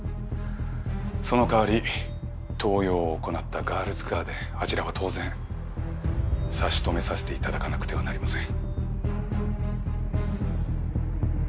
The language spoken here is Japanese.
その代わり盗用を行った『ガールズガーデン』あちらは当然差し止めさせていただかなくてはなりません。